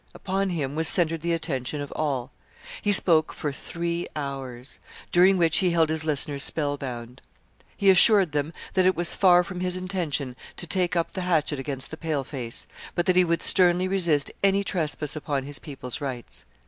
Upon him was centred the attention of all. He spoke for three hours, during which he held his listeners spellbound. He assured them that it was far from his intention to take up the hatchet against the pale face, but that he would sternly resist any trespass upon his people's rights.